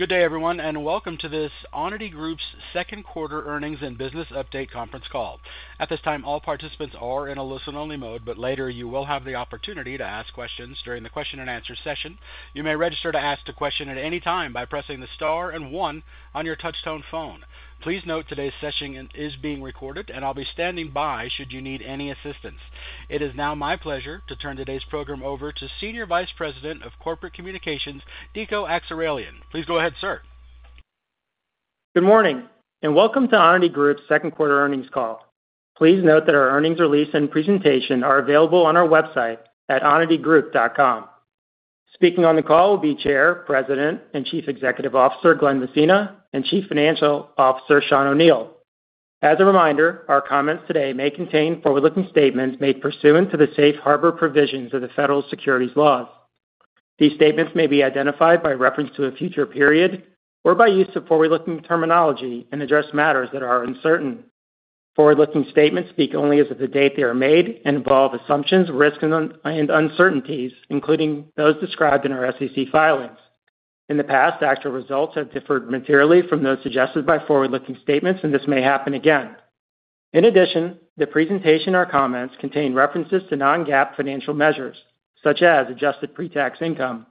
Good day, everyone, and welcome to this Onity Group's Second Quarter Earnings and Business Update Conference Call. At this time, all participants are in a listen-only mode, but later you will have the opportunity to ask questions during the question-and-answer session. You may register to ask the question at any time by pressing the star and one on your touchtone phone. Please note, today's session is being recorded, and I'll be standing by should you need any assistance. It is now my pleasure to turn today's program over to Senior Vice President of Corporate Communications, Dico Akseraylian. Please go ahead, sir. Good morning, and welcome to Onity Group's second quarter earnings call. Please note that our earnings release and presentation are available on our website at onitygroup.com. Speaking on the call will be Chair, President, and Chief Executive Officer, Glenn Messina, and Chief Financial Officer, Sean O'Neil. As a reminder, our comments today may contain forward-looking statements made pursuant to the safe harbor provisions of the federal securities laws. These statements may be identified by reference to a future period or by use of forward-looking terminology and address matters that are uncertain. Forward-looking statements speak only as of the date they are made and involve assumptions, risks, and uncertainties, including those described in our SEC filings. In the past, actual results have differed materially from those suggested by forward-looking statements, and this may happen again. In addition, the presentation or comments contain references to non-GAAP financial measures, such as adjusted pre-tax income.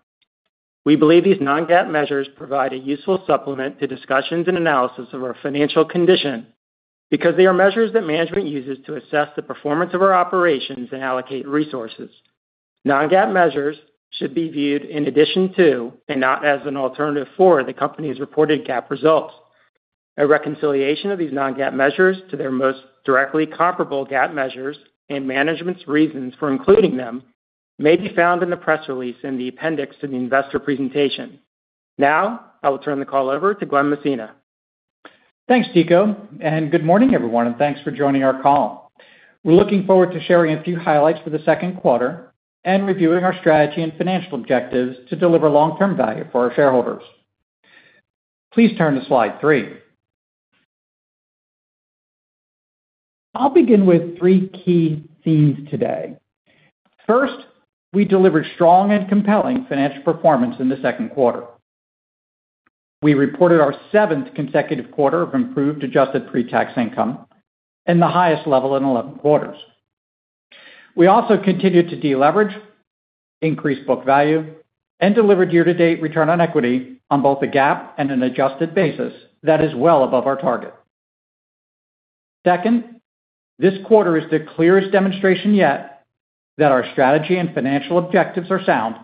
We believe these non-GAAP measures provide a useful supplement to discussions and analysis of our financial condition because they are measures that management uses to assess the performance of our operations and allocate resources. Non-GAAP measures should be viewed in addition to and not as an alternative for the company's reported GAAP results. A reconciliation of these non-GAAP measures to their most directly comparable GAAP measures and management's reasons for including them may be found in the press release in the appendix to the investor presentation. Now, I will turn the call over to Glenn Messina. Thanks, Dico, and good morning, everyone, and thanks for joining our call. We're looking forward to sharing a few highlights for the second quarter and reviewing our strategy and financial objectives to deliver long-term value for our shareholders. Please turn to slide 3. I'll begin with 3 key themes today. First, we delivered strong and compelling financial performance in the second quarter. We reported our seventh consecutive quarter of improved adjusted Pre-Tax Income and the highest level in 11 quarters. We also continued to deleverage, increase book value, and delivered year-to-date return on equity on both a GAAP and an adjusted basis that is well above our target. Second, this quarter is the clearest demonstration yet that our strategy and financial objectives are sound,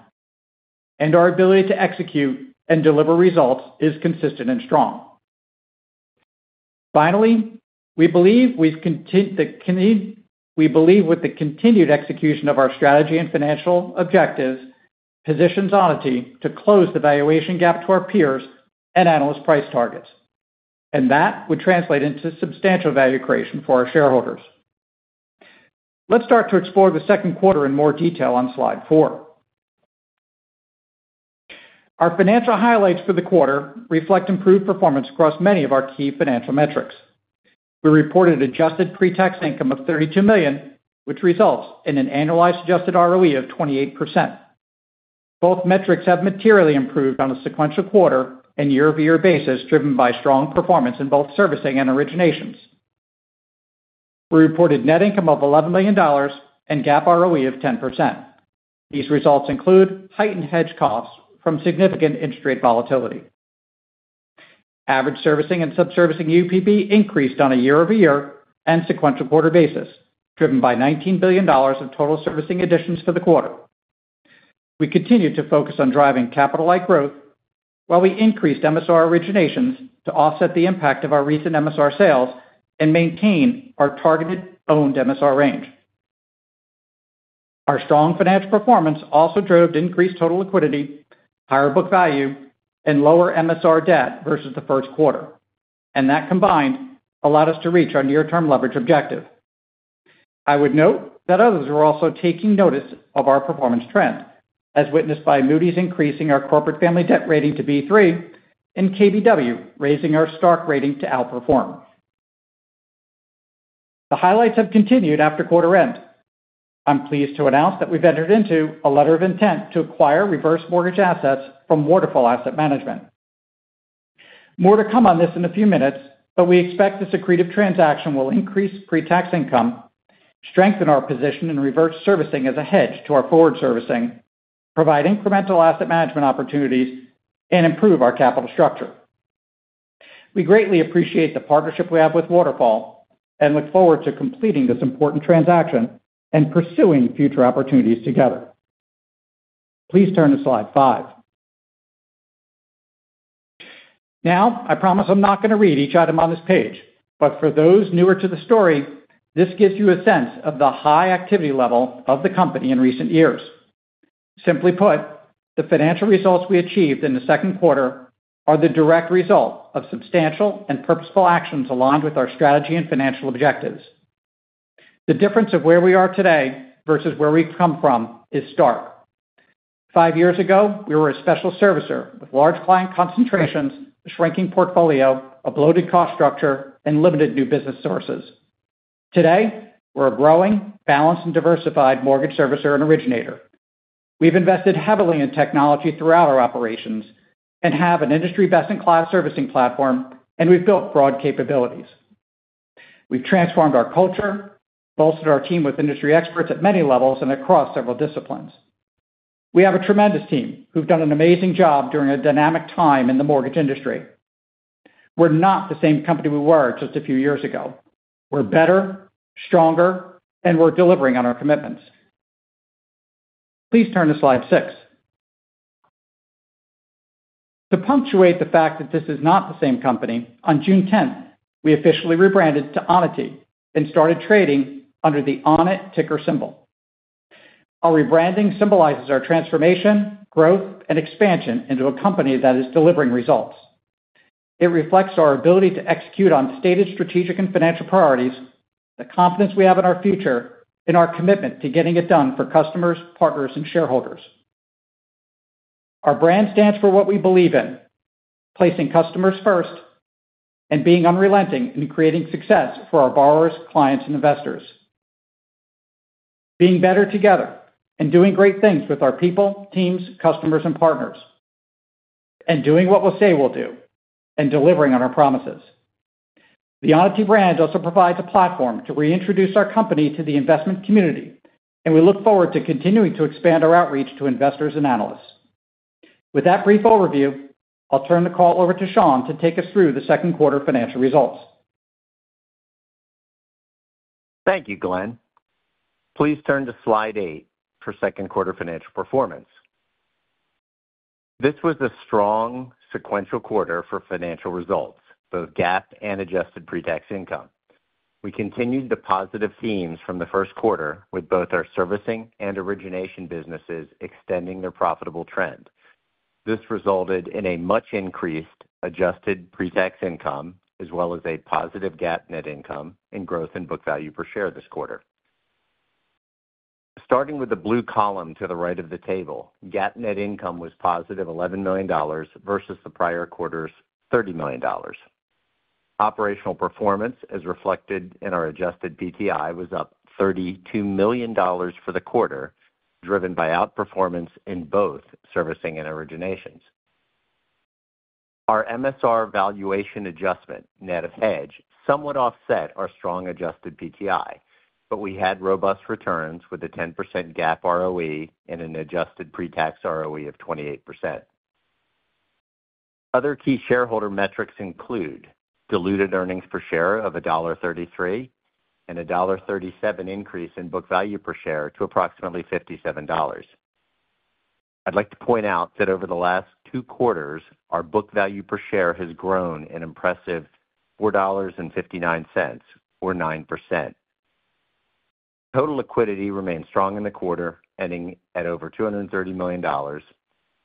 and our ability to execute and deliver results is consistent and strong. Finally, we believe with the continued execution of our strategy and financial objectives, positions Onity to close the valuation gap to our peers and analyst price targets. And that would translate into substantial value creation for our shareholders. Let's start to explore the second quarter in more detail on slide four. Our financial highlights for the quarter reflect improved performance across many of our key financial metrics. We reported adjusted pre-tax income of $32 million, which results in an annualized adjusted ROE of 28%. Both metrics have materially improved on a sequential quarter and year-over-year basis, driven by strong performance in both servicing and originations. We reported net income of $11 million and GAAP ROE of 10%. These results include heightened hedge costs from significant interest rate volatility. Average servicing and subservicing UPB increased on a year-over-year and sequential quarter basis, driven by $19 billion of total servicing additions for the quarter. We continued to focus on driving capital-li growth while we increased MSR originations to offset the impact of our recent MSR sales and maintain our targeted owned MSR range. Our strong financial performance also drove increased total liquidity, higher book value, and lower MSR debt versus the first quarter, and that combined allowed us to reach our near-term leverage objective. I would note that others are also taking notice of our performance trend, as witnessed by Moody's increasing our corporate family debt rating to B3 and KBW raising our stock rating to Outperform. The highlights have continued after quarter end. I'm pleased to announce that we've entered into a letter of intent to acquire reverse mortgage assets from Waterfall Asset Management.More to come on this in a few minutes, but we expect this accretive transaction will increase pre-tax income, strengthen our position in reverse servicing as a hedge to our forward servicing, provide incremental asset management opportunities, and improve our capital structure. We greatly appreciate the partnership we have with Waterfall and look forward to completing this important transaction and pursuing future opportunities together. Please turn to slide five. Now, I promise I'm not going to read each item on this page, but for those newer to the story, this gives you a sense of the high activity level of the company in recent years. Simply put, the financial results we achieved in the second quarter are the direct result of substantial and purposeful actions aligned with our strategy and financial objectives. The difference of where we are today versus where we've come from is stark. Five years ago, we were a special servicer with large client concentrations, a shrinking portfolio, a bloated cost structure, and limited new business sources.... Today, we're a growing, balanced, and diversified mortgage servicer and originator. We've invested heavily in technology throughout our operations and have an industry best-in-class servicing platform, and we've built broad capabilities. We've transformed our culture, bolstered our team with industry experts at many levels and across several disciplines. We have a tremendous team who've done an amazing job during a dynamic time in the mortgage industry. We're not the same company we were just a few years ago. We're better, stronger, and we're delivering on our commitments. Please turn to slide six. To punctuate the fact that this is not the same company, on June 10th, we officially rebranded to Onity and started trading under the ONIT ticker symbol. Our rebranding symbolizes our transformation, growth, and expansion into a company that is delivering results. It reflects our ability to execute on stated strategic and financial priorities, the confidence we have in our future, and our commitment to getting it done for customers, partners, and shareholders. Our brand stands for what we believe in, placing customers first and being unrelenting in creating success for our borrowers, clients, and investors. Being better together and doing great things with our people, teams, customers, and partners, and doing what we say we'll do, and delivering on our promises. The Onity brand also provides a platform to reintroduce our company to the investment community, and we look forward to continuing to expand our outreach to investors and analysts. With that brief overview, I'll turn the call over to Sean to take us through the second quarter financial results. Thank you, Glenn. Please turn to slide eight for second quarter financial performance. This was a strong sequential quarter for financial results, both GAAP and adjusted pretax income. We continued the positive themes from the first quarter, with both our servicing and origination businesses extending their profitable trend. This resulted in a much increased adjusted pretax income, as well as a positive GAAP net income and growth in book value per share this quarter. Starting with the blue column to the right of the table, GAAP net income was positive $11 million versus the prior quarter's $30 million. Operational performance, as reflected in our adjusted PTI, was up $32 million for the quarter, driven by outperformance in both servicing and originations. Our MSR valuation adjustment, net of hedge, somewhat offset our strong adjusted PTI, but we had robust returns with a 10% GAAP ROE and an adjusted pretax ROE of 28%. Other key shareholder metrics include diluted earnings per share of $1.33 and a $1.37 increase in book value per share to approximately $57. I'd like to point out that over the last two quarters, our book value per share has grown an impressive $4.59, or 9%. Total liquidity remained strong in the quarter, ending at over $230 million.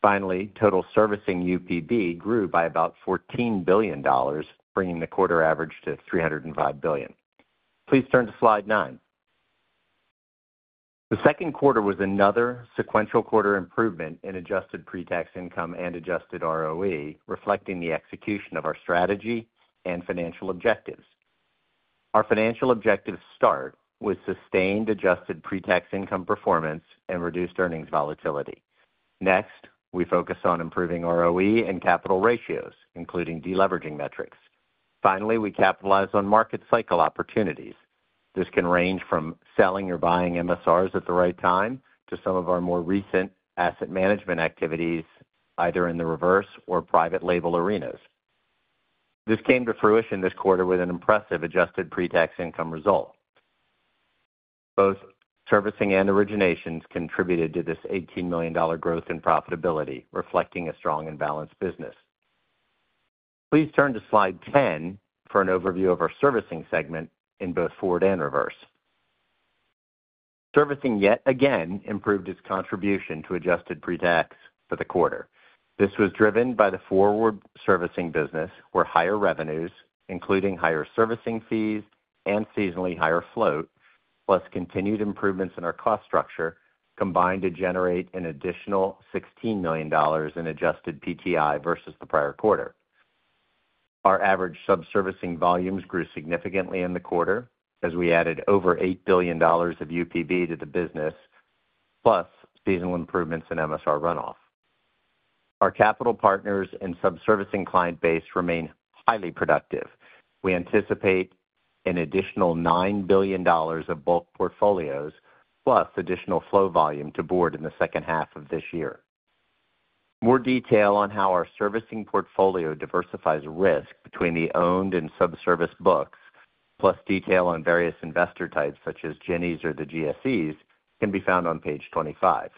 Finally, total servicing UPB grew by about $14 billion, bringing the quarter average to $305 billion. Please turn to slide nine. The second quarter was another sequential quarter improvement in adjusted pretax income and adjusted ROE, reflecting the execution of our strategy and financial objectives. Our financial objectives start with sustained adjusted pretax income performance and reduced earnings volatility. Next, we focus on improving ROE and capital ratios, including deleveraging metrics. Finally, we capitalize on market cycle opportunities. This can range from selling or buying MSRs at the right time to some of our more recent asset management activities, either in the reverse or private label arenas. This came to fruition this quarter with an impressive adjusted pretax income result. Both servicing and originations contributed to this $18 million growth in profitability, reflecting a strong and balanced business. Please turn to slide 10 for an overview of our servicing segment in both forward and reverse. Servicing, yet again, improved its contribution to adjusted pretax for the quarter. This was driven by the forward servicing business, where higher revenues, including higher servicing fees and seasonally higher float, plus continued improvements in our cost structure, combined to generate an additional $16 million in adjusted PTI versus the prior quarter. Our average subservicing volumes grew significantly in the quarter as we added over $8 billion of UPB to the business, plus seasonal improvements in MSR runoff. Our capital partners and subservicing client base remain highly productive. We anticipate an additional $9 billion of bulk portfolios, plus additional flow volume to board in the second half of this year. More detail on how our servicing portfolio diversifies risk between the owned and subservicing books, plus detail on various investor types such as Ginnies or the GSEs, can be found on page 25.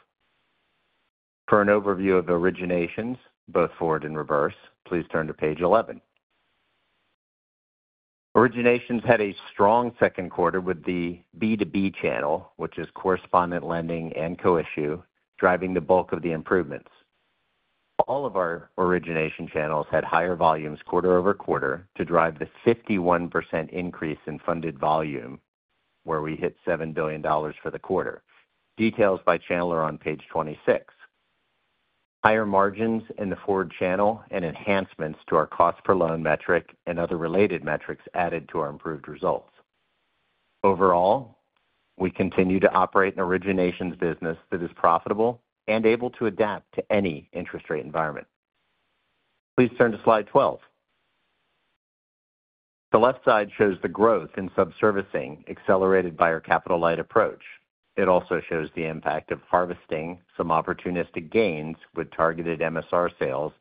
For an overview of originations, both forward and reverse, please turn to page 11.Originations had a strong second quarter with the B2B channel, which is correspondent lending and co-issue, driving the bulk of the improvements. All of our origination channels had higher volumes quarter-over-quarter to drive the 51% increase in funded volume, where we hit $7 billion for the quarter. Details by channel are on page 26. Higher margins in the forward channel and enhancements to our cost per loan metric and other related metrics added to our improved results. Overall, we continue to operate an originations business that is profitable and able to adapt to any interest rate environment. Please turn to slide 12. The left side shows the growth in subservicing accelerated by our capital-light approach. It also shows the impact of harvesting some opportunistic gains with targeted MSR sales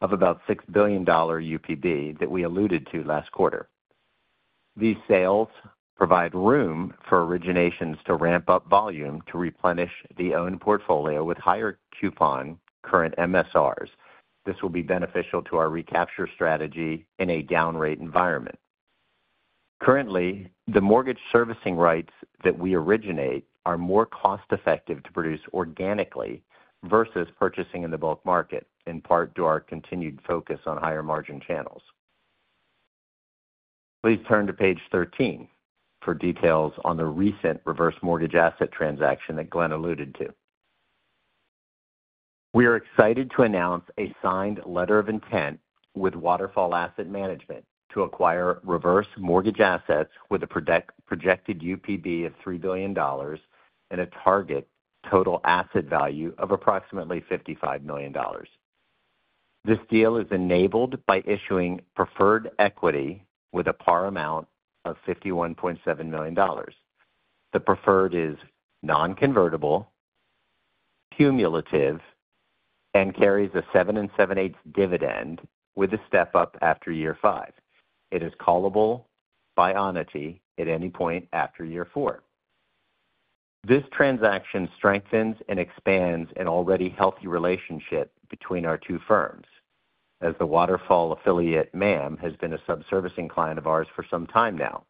of about $6 billion UPB that we alluded to last quarter. These sales provide room for originations to ramp up volume to replenish the own portfolio with higher coupon current MSRs. This will be beneficial to our recapture strategy in a down rate environment. Currently, the mortgage servicing rights that we originate are more cost effective to produce organically versus purchasing in the bulk market, in part to our continued focus on higher margin channels. Please turn to page 13 for details on the recent reverse mortgage asset transaction that Glenn alluded to. We are excited to announce a signed letter of intent with Waterfall Asset Management to acquire reverse mortgage assets with a projected UPB of $3 billion and a target total asset value of approximately $55 million. This deal is enabled by issuing preferred equity with a par amount of $51.7 million. The preferred is non-convertible, cumulative, and carries a seven and seven-eighths dividend with a step-up after year five. It is callable by Onity at any point after year four. This transaction strengthens and expands an already healthy relationship between our two firms, as the Waterfall affiliate, MAM, has been a subservicing client of ours for some time now,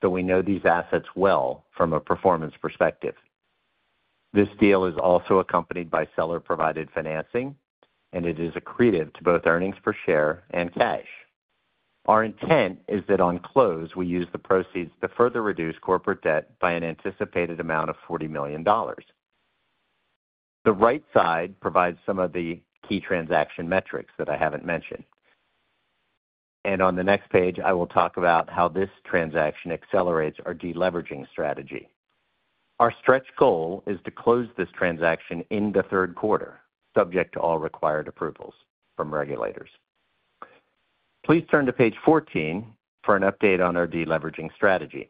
so we know these assets well from a performance perspective. This deal is also accompanied by seller-provided financing, and it is accretive to both earnings per share and cash. Our intent is that on close, we use the proceeds to further reduce corporate debt by an anticipated amount of $40 million. The right side provides some of the key transaction metrics that I haven't mentioned. On the next page, I will talk about how this transaction accelerates our deleveraging strategy. Our stretch goal is to close this transaction in the third quarter, subject to all required approvals from regulators. Please turn to page 14 for an update on our deleveraging strategy.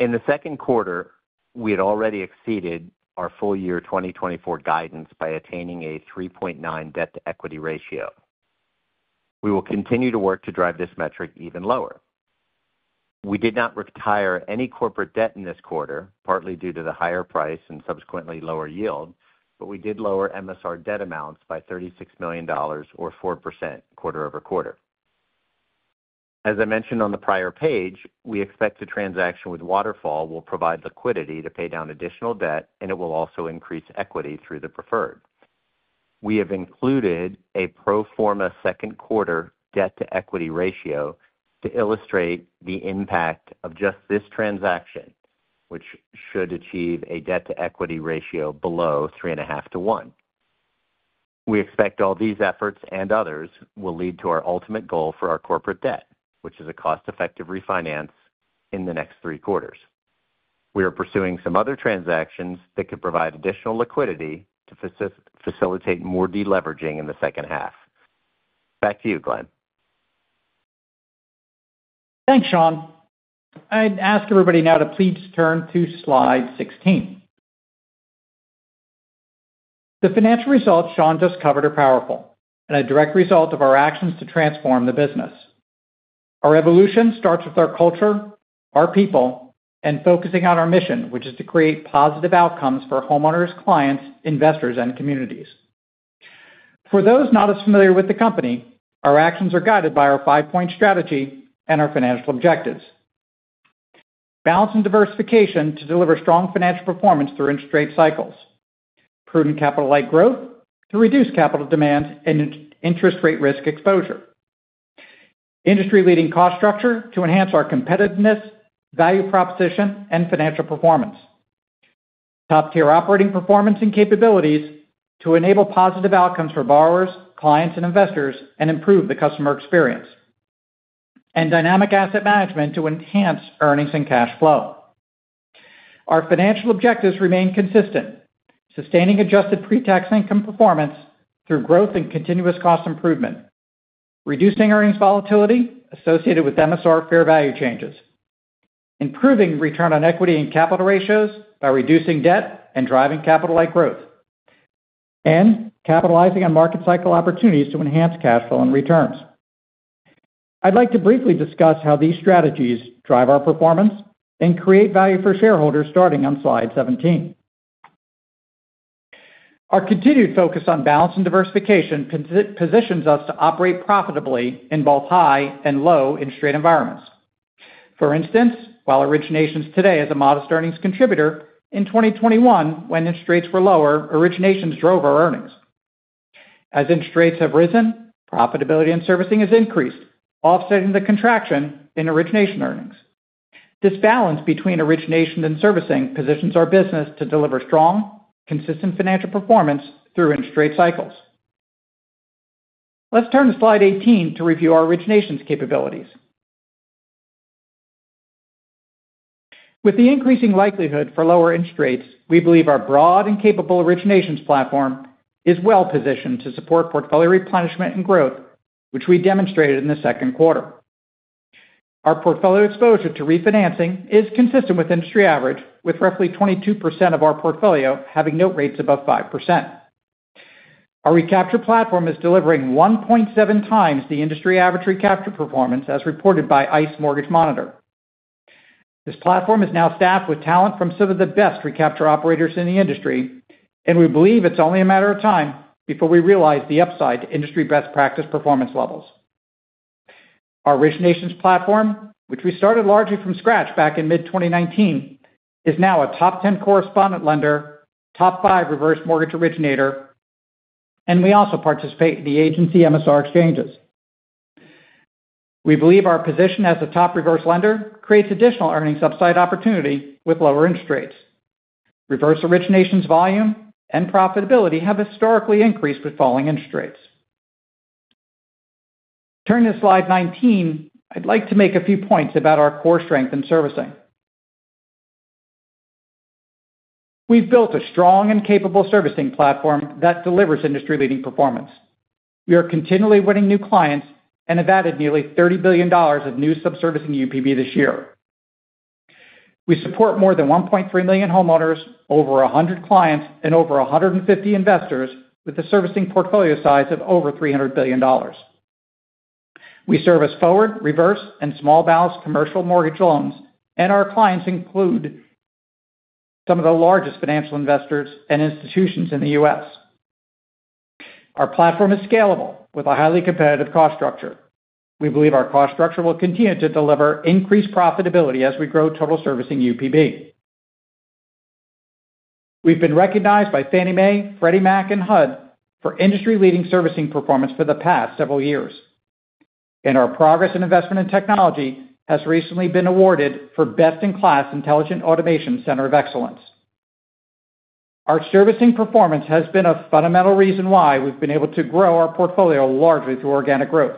In the second quarter, we had already exceeded our full year 2024 guidance by attaining a 3.9 debt-to-equity ratio. We will continue to work to drive this metric even lower. We did not retire any corporate debt in this quarter, partly due to the higher price and subsequently lower yield, but we did lower MSR debt amounts by $36 million or 4% quarter-over-quarter. As I mentioned on the prior page, we expect the transaction with Waterfall will provide liquidity to pay down additional debt, and it will also increase equity through the preferred. We have included a pro forma second quarter debt-to-equity ratio to illustrate the impact of just this transaction, which should achieve a debt-to-equity ratio below 3.5-1. We expect all these efforts and others will lead to our ultimate goal for our corporate debt, which is a cost-effective refinance in the next three quarters. We are pursuing some other transactions that could provide additional liquidity to facilitate more deleveraging in the second half. Back to you, Glenn. Thanks, Sean. I'd ask everybody now to please turn to slide 16. The financial results Sean just covered are powerful and a direct result of our actions to transform the business. Our evolution starts with our culture, our people, and focusing on our mission, which is to create positive outcomes for homeowners, clients, investors, and communities. For those not as familiar with the company, our actions are guided by our five-point strategy and our financial objectives. Balance and diversification to deliver strong financial performance through interest rate cycles. Prudent capital-light growth to reduce capital demands and interest rate risk exposure. Industry-leading cost structure to enhance our competitiveness, value proposition, and financial performance. Top-tier operating performance and capabilities to enable positive outcomes for borrowers, clients, and investors and improve the customer experience. Dynamic asset management to enhance earnings and cash flow. Our financial objectives remain consistent: sustaining adjusted pretax income performance through growth and continuous cost improvement, reducing earnings volatility associated with MSR fair value changes, improving return on equity and capital ratios by reducing debt and driving capital-like growth, and capitalizing on market cycle opportunities to enhance cash flow and returns. I'd like to briefly discuss how these strategies drive our performance and create value for shareholders, starting on slide 17. Our continued focus on balance and diversification positions us to operate profitably in both high and low interest rate environments. For instance, while Originations today is a modest earnings contributor, in 2021, when interest rates were lower, Originations drove our earnings... as interest rates have risen, profitability and servicing has increased, offsetting the contraction in origination earnings. This balance between origination and servicing positions our business to deliver strong, consistent financial performance through interest rate cycles. Let's turn to slide 18 to review our originations capabilities. With the increasing likelihood for lower interest rates, we believe our broad and capable originations platform is well positioned to support portfolio replenishment and growth, which we demonstrated in the second quarter. Our portfolio exposure to refinancing is consistent with industry average, with roughly 22% of our portfolio having note rates above 5%. Our recapture platform is delivering 1.7x the industry average recapture performance, as reported by ICE Mortgage Monitor. This platform is now staffed with talent from some of the best recapture operators in the industry, and we believe it's only a matter of time before we realize the upside to industry best practice performance levels. Our originations platform, which we started largely from scratch back in mid-2019, is now a top 10 correspondent lender, top five reverse mortgage originator, and we also participate in the agency MSR exchanges. We believe our position as a top reverse lender creates additional earnings upside opportunity with lower interest rates. Reverse originations volume and profitability have historically increased with falling interest rates. Turn to slide 19. I'd like to make a few points about our core strength in servicing. We've built a strong and capable servicing platform that delivers industry-leading performance. We are continually winning new clients and have added nearly $30 billion of new subservicing UPB this year. We support more than 1.3 million homeowners, over 100 clients, and over 150 investors with a servicing portfolio size of over $300 billion. We service forward, reverse, and small balance commercial mortgage loans, and our clients include some of the largest financial investors and institutions in the U.S. Our platform is scalable with a highly competitive cost structure. We believe our cost structure will continue to deliver increased profitability as we grow total servicing UPB. We've been recognized by Fannie Mae, Freddie Mac, and HUD for industry-leading servicing performance for the past several years, and our progress and investment in technology has recently been awarded for Best in Class Intelligent Automation Center of Excellence. Our servicing performance has been a fundamental reason why we've been able to grow our portfolio largely through organic growth.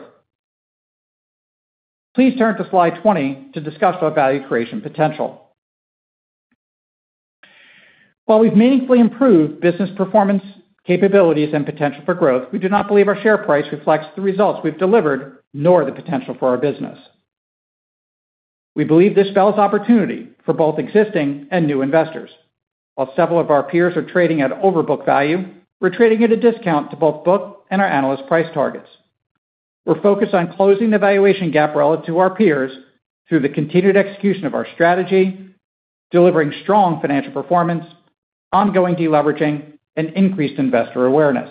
Please turn to slide 20 to discuss our value creation potential. While we've meaningfully improved business performance, capabilities, and potential for growth, we do not believe our share price reflects the results we've delivered, nor the potential for our business. We believe this spells opportunity for both existing and new investors. While several of our peers are trading at overbook value, we're trading at a discount to both book and our analyst price targets. We're focused on closing the valuation gap relative to our peers through the continued execution of our strategy, delivering strong financial performance, ongoing deleveraging, and increased investor awareness.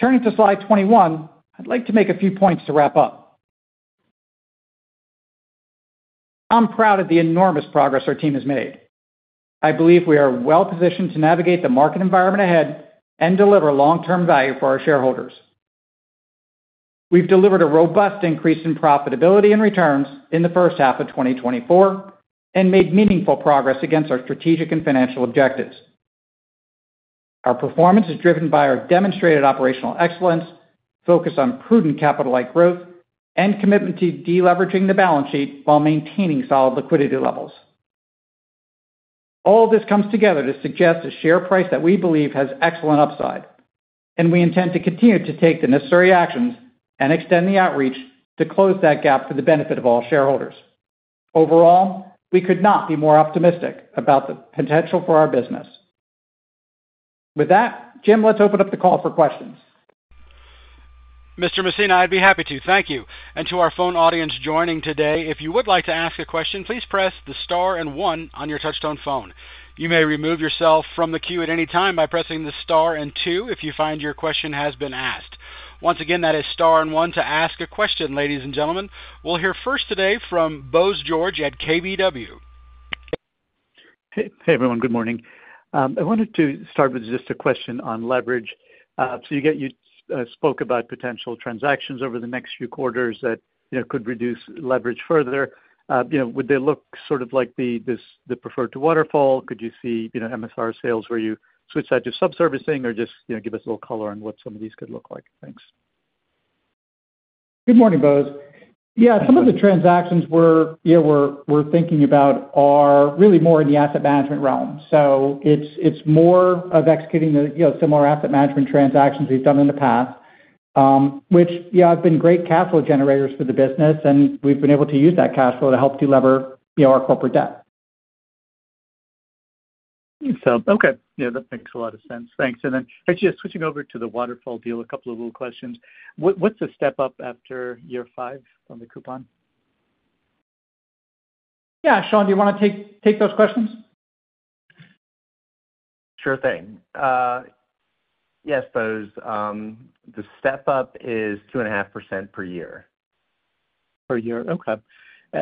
Turning to slide 21, I'd like to make a few points to wrap up. I'm proud of the enormous progress our team has made. I believe we are well positioned to navigate the market environment ahead and deliver long-term value for our shareholders. We've delivered a robust increase in profitability and returns in the first half of 2024 and made meaningful progress against our strategic and financial objectives. Our performance is driven by our demonstrated operational excellence, focus on prudent capital-like growth, and commitment to deleveraging the balance sheet while maintaining solid liquidity levels. All this comes together to suggest a share price that we believe has excellent upside, and we intend to continue to take the necessary actions and extend the outreach to close that gap for the benefit of all shareholders. Overall, we could not be more optimistic about the potential for our business. With that, Jim, let's open up the call for questions. Mr. Messina, I'd be happy to. Thank you. And to our phone audience joining today, if you would like to ask a question, please press the star and one on your touchtone phone. You may remove yourself from the queue at any time by pressing the star and two if you find your question has been asked. Once again, that is star and one to ask a question, ladies and gentlemen. We'll hear first today from Bose George at KBW. Hey, hey, everyone. Good morning. I wanted to start with just a question on leverage. So you spoke about potential transactions over the next few quarters that, you know, could reduce leverage further. You know, would they look sort of like the preferred to Waterfall? Could you see, you know, MSR sales where you switch that to subservicing or just, you know, give us a little color on what some of these could look like? Thanks. Good morning, Bose. Yeah, some of the transactions we're, you know, thinking about are really more in the asset management realm. So it's more of executing the, you know, similar asset management transactions we've done in the past, which, yeah, have been great capital generators for the business, and we've been able to use that capital to help delever, you know, our corporate debt. So, okay. Yeah, that makes a lot of sense. Thanks. And then actually, just switching over to the Waterfall deal, a couple of little questions. What's the step up after year five on the coupon? Yeah, Sean, do you want to take those questions? Sure thing. Yes, Bose, the step-up is 2.5% per year.... per year. Okay.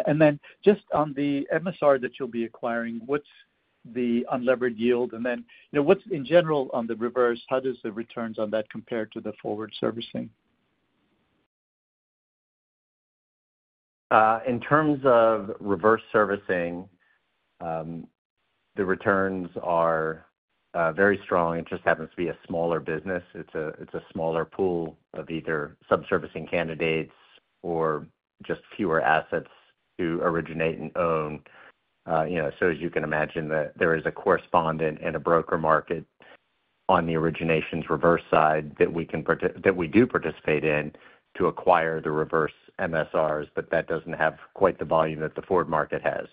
And then just on the MSR that you'll be acquiring, what's the unlevered yield? And then, you know, what's, in general, on the reverse, how does the returns on that compare to the forward servicing? In terms of reverse servicing, the returns are very strong. It just happens to be a smaller business. It's a smaller pool of either subservicing candidates or just fewer assets to originate and own. You know, so as you can imagine, there is a correspondent and a broker market on the originations reverse side that we do participate in to acquire the reverse MSRs, but that doesn't have quite the volume that the forward market has.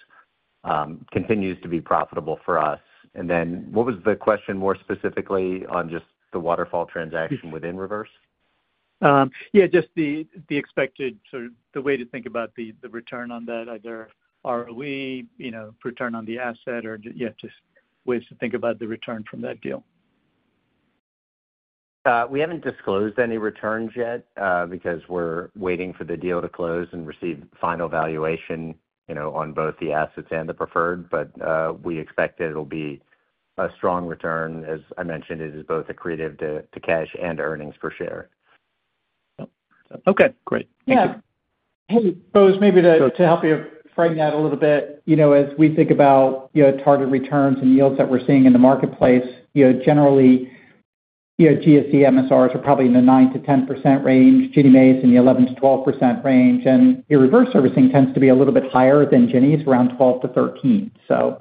Continues to be profitable for us. And then what was the question more specifically on just the Waterfall transaction within reverse? Yeah, just the expected, sort of, the way to think about the return on that, either ROE, you know, return on the asset, or yeah, just ways to think about the return from that deal. We haven't disclosed any returns yet, because we're waiting for the deal to close and receive final valuation, you know, on both the assets and the preferred. But we expect that it'll be a strong return. As I mentioned, it is both accretive to cash and earnings per share. Okay, great. Thank you. Yeah. Hey, Bose, maybe to help you frame that a little bit, you know, as we think about, you know, target returns and yields that we're seeing in the marketplace, you know, generally, you know, GSE MSRs are probably in the 9%-10% range, Ginnie Mae's in the 11%-12% range, and your reverse servicing tends to be a little bit higher than Ginnie's, around 12%-13%. So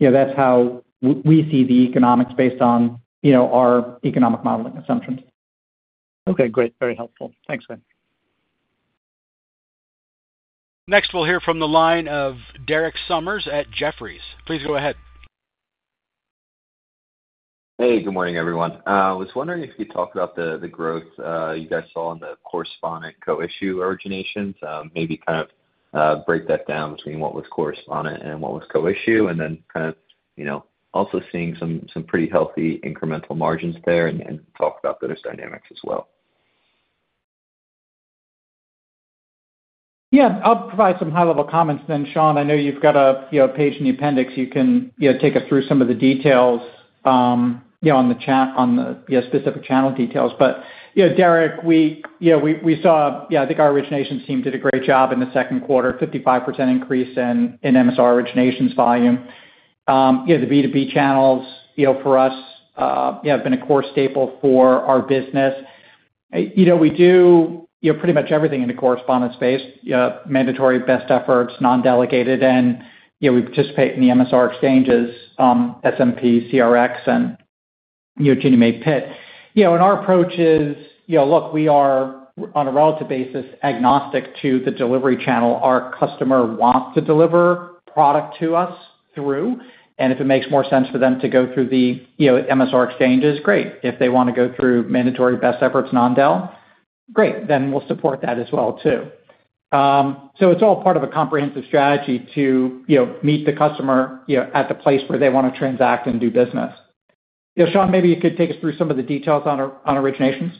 you know, that's how we see the economics based on, you know, our economic modeling assumptions. Okay, great. Very helpful. Thanks, man. Next, we'll hear from the line of Derek Sommers at Jefferies. Please go ahead. Hey, good morning, everyone. Was wondering if you'd talk about the, the growth you guys saw in the correspondent co-issue originations. Maybe kind of break that down between what was correspondent and what was co-issue, and then kind of, you know, also seeing some, some pretty healthy incremental margins there, and, and talk about those dynamics as well. Yeah, I'll provide some high-level comments, and then, Sean, I know you've got a, you know, page in the appendix. You can, you know, take us through some of the details, you know, on the, yeah, specific channel details. But, you know, Derek, we, you know, we saw. Yeah, I think our origination team did a great job in the second quarter, 55% increase in MSR originations volume. You know, the B2B channels, you know, for us, you know, have been a core staple for our business. You know, we do, you know, pretty much everything in the correspondent space, mandatory, best efforts, non-delegated, and, you know, we participate in the MSR exchanges, SMP, CRX, and, you know, Ginnie Mae PIIT.You know, and our approach is, you know, look, we are, on a relative basis, agnostic to the delivery channel our customer wants to deliver product to us through, and if it makes more sense for them to go through the, you know, MSR exchanges, great. If they want to go through mandatory best efforts, non-delegated, great, then we'll support that as well, too. So it's all part of a comprehensive strategy to, you know, meet the customer, you know, at the place where they want to transact and do business. You know, Sean, maybe you could take us through some of the details on originations.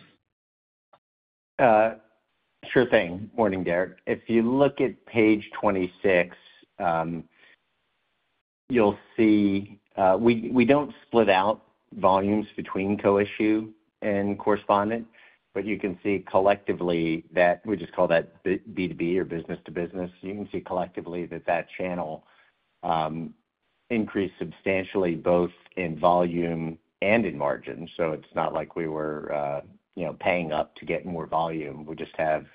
Sure thing. Morning, Derek. If you look at page 26, you'll see we don't split out volumes between co-issue and correspondent, but you can see collectively that we just call that B2B or business to business. You can see collectively that that channel increased substantially, both in volume and in margin, so it's not like we were, you know, paying up to get more volume. We just have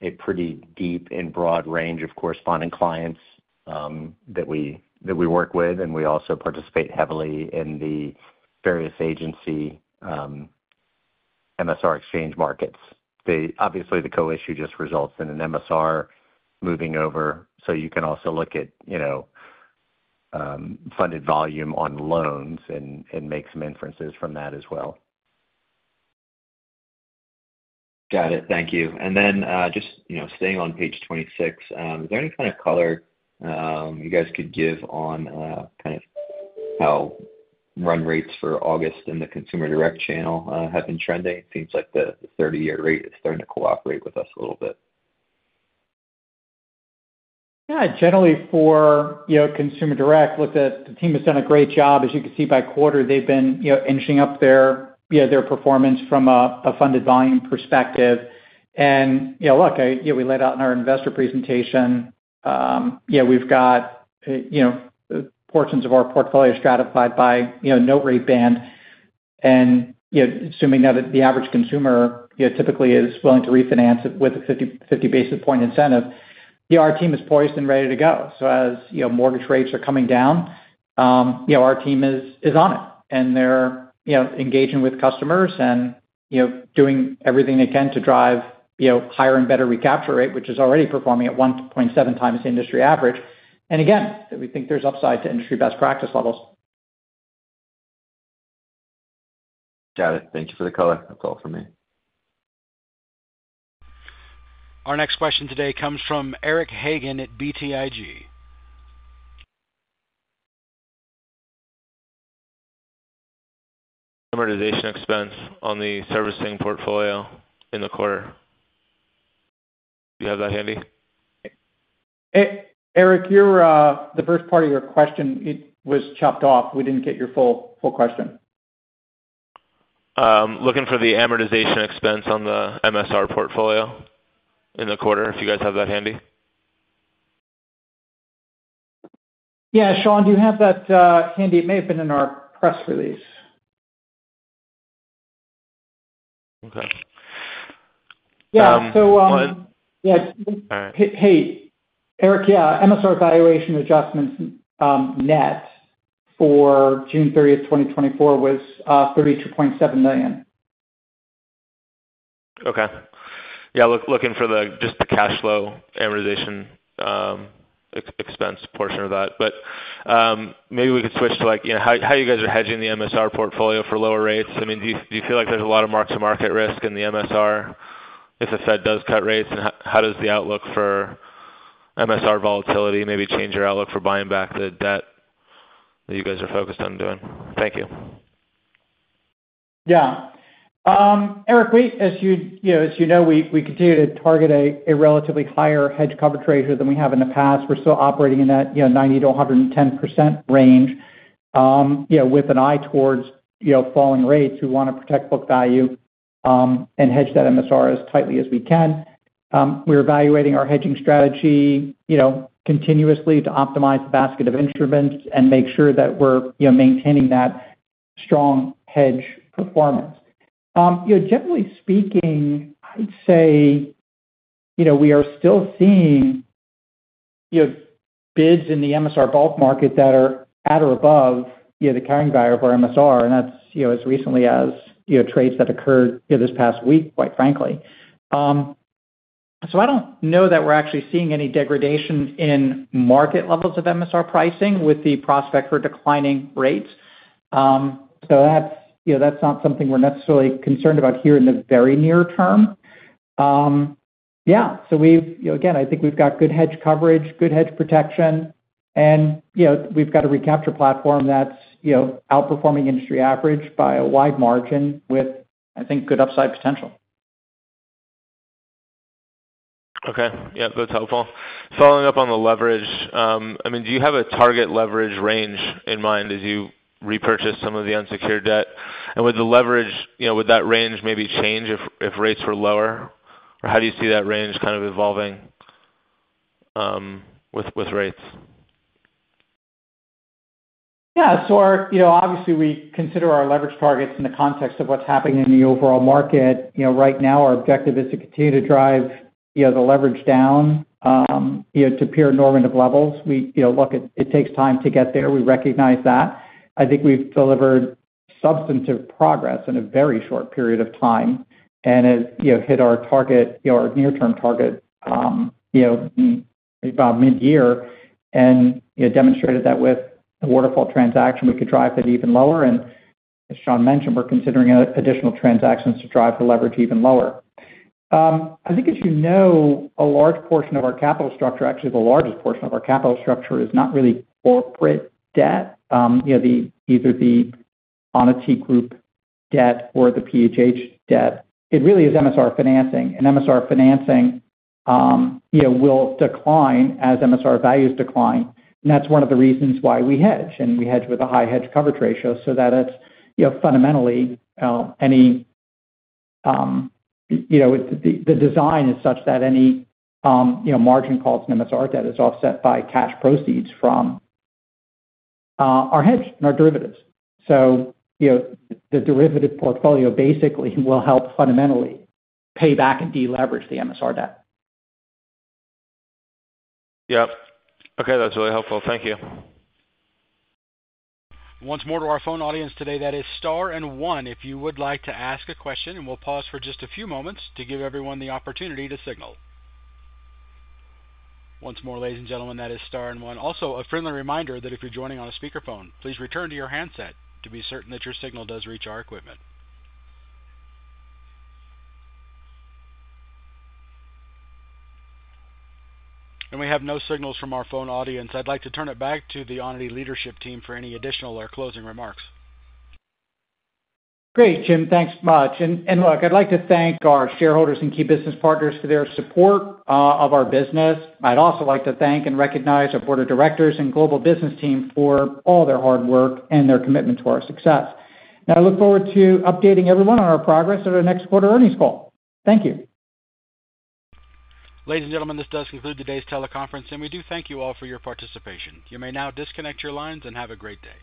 a pretty deep and broad range of correspondent clients that we work with, and we also participate heavily in the various agency MSR exchange markets. Obviously, the co-issue just results in an MSR moving over, so you can also look at, you know, funded volume on loans and make some inferences from that as well. Got it. Thank you. And then, just, you know, staying on page 26, is there any kind of color, you guys could give on, kind of how run rates for August in the consumer direct channel, have been trending? It seems like the 30-year rate is starting to cooperate with us a little bit. Yeah, generally for, you know, consumer direct, look, the team has done a great job. As you can see by quarter, they've been, you know, inching up their performance from a funded volume perspective. And, you know, look, we laid out in our investor presentation, yeah, we've got, you know, portions of our portfolio stratified by, you know, note rate band. And, you know, assuming now that the average consumer, you know, typically is willing to refinance it with a 50 basis point incentive, you know, our team is poised and ready to go. So as you know, mortgage rates are coming down, you know, our team is on it, and they're, you know, engaging with customers and, you know, doing everything they can to drive, you know, higher and better recapture rate, which is already performing at 1.7x the industry average. And again, we think there's upside to industry best practice levels. Got it. Thank you for the color. That's all for me. Our next question today comes from Eric Hagen at BTIG. Amortization expense on the servicing portfolio in the quarter. Do you have that handy? Eric, the first part of your question, it was chopped off. We didn't get your full, full question. Looking for the amortization expense on the MSR portfolio in the quarter, if you guys have that handy? Yeah. Sean, do you have that handy? It may have been in our press release. Okay. Yeah. So, Go ahead. Yeah. All right. Hey, Eric. Yeah, MSR valuation adjustments, net for June 30, 2024, was $32.7 million. Okay. Yeah, look, looking for the, just the cash flow amortization, expense portion of that. But, maybe we could switch to, like, you know, how, how you guys are hedging the MSR portfolio for lower rates. I mean, do you, do you feel like there's a lot of mark-to-market risk in the MSR if the Fed does cut rates? And how, how does the outlook for MSR volatility maybe change your outlook for buying back the debt that you guys are focused on doing? Thank you. Yeah. Eric, as you know, we continue to target a relatively higher hedge coverage ratio than we have in the past. We're still operating in that, you know, 90%-110% range. You know, with an eye towards, you know, falling rates, we wanna protect book value, and hedge that MSR as tightly as we can. We're evaluating our hedging strategy, you know, continuously to optimize the basket of instruments and make sure that we're, you know, maintaining that strong hedge performance. You know, generally speaking, I'd say, you know, we are still seeing, you know, bids in the MSR bulk market that are at or above, you know, the carrying value of our MSR, and that's, you know, as recently as, you know, trades that occurred, you know, this past week, quite frankly. So I don't know that we're actually seeing any degradation in market levels of MSR pricing with the prospect for declining rates. So that's, you know, that's not something we're necessarily concerned about here in the very near term. Yeah, so we've... You know, again, I think we've got good hedge coverage, good hedge protection, and, you know, we've got a recapture platform that's, you know, outperforming industry average by a wide margin with, I think, good upside potential. Okay. Yeah, that's helpful. Following up on the leverage, I mean, do you have a target leverage range in mind as you repurchase some of the unsecured debt? And would the leverage, you know, would that range maybe change if rates were lower? Or how do you see that range kind of evolving with rates? Yeah, so our, you know, obviously, we consider our leverage targets in the context of what's happening in the overall market. You know, right now, our objective is to continue to drive, you know, the leverage down, you know, to peer normative levels. We, you know, look, it takes time to get there. We recognize that. I think we've delivered substantive progress in a very short period of time. And as, you know, hit our target, you know, our near-term target, you know, about mid-year, and, you know, demonstrated that with the Waterfall transaction, we could drive that even lower. And as Sean mentioned, we're considering additional transactions to drive the leverage even lower. I think, as you know, a large portion of our capital structure, actually, the largest portion of our capital structure is not really corporate debt, you know, the, either the Onity Group debt or the PHH debt. It really is MSR financing. And MSR financing, you know, will decline as MSR values decline, and that's one of the reasons why we hedge, and we hedge with a high hedge coverage ratio so that it's, you know, fundamentally, any... You know, it, the, the design is such that any, you know, margin calls in MSR debt is offset by cash proceeds from, our hedge and our derivatives. So, you know, the derivative portfolio basically will help fundamentally pay back and de-leverage the MSR debt. Yep. Okay, that's really helpful. Thank you. Once more to our phone audience today, that is star and one if you would like to ask a question. We'll pause for just a few moments to give everyone the opportunity to signal. Once more, ladies and gentlemen, that is star and one. Also, a friendly reminder that if you're joining on a speakerphone, please return to your handset to be certain that your signal does reach our equipment. We have no signals from our phone audience. I'd like to turn it back to the Onity leadership team for any additional or closing remarks. Great, Jim, thanks much. And look, I'd like to thank our shareholders and key business partners for their support of our business. I'd also like to thank and recognize our board of directors and global business team for all their hard work and their commitment to our success. And I look forward to updating everyone on our progress at our next quarter earnings call. Thank you. Ladies and gentlemen, this does conclude today's teleconference, and we do thank you all for your participation. You may now disconnect your lines and have a great day.